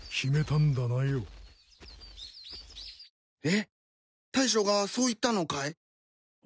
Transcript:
えっ大将がそう言ったのかい？